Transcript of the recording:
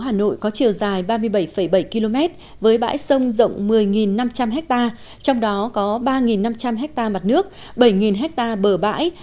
hà nội có chiều dài ba mươi bảy bảy km với bãi sông rộng một mươi năm trăm linh ha trong đó có ba năm trăm linh ha mặt nước bảy ha bờ bãi